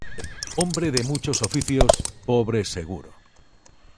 Hombre de muchos oficios, pobre seguro.